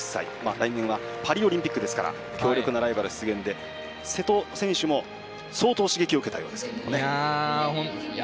来年はパリオリンピックですから強力なライバル出現で瀬戸選手も、相当刺激を受けたそうですけどね。